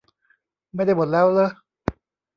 ไม่ได้หมดแล้วเรอะ